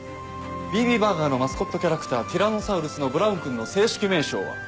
ＢＢバーガーのマスコットキャラクターティラノサウルスのブラウンくんの正式名称は？